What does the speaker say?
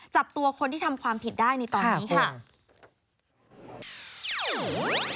จับตัวคนที่ทำความผิดได้ในตอนนี้ค่ะ